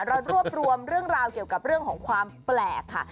เรารวบรวมเรื่องราวเกี่ยวกับเรื่องของความแปลกค่ะ